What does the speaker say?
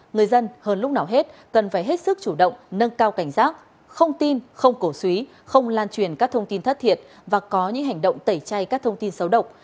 người dân hơn lúc nào hết cần phải hết sức chủ động nâng cao cảnh giác không tin không cổ suý không lan truyền các thông tin thất thiệt và có những hành động tẩy chay các thông tin xấu độc